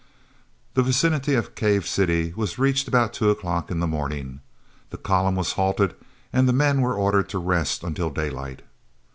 The vicinity of Cave City was reached about two o'clock in the morning. The column was halted and the men were ordered to rest until daylight.